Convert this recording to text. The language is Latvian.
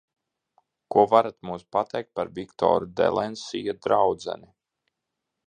Ko varat mums pateikt par Viktora Delensija draudzeni?